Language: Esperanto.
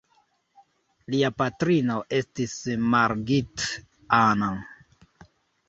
Lia patrino estis Margit Anna.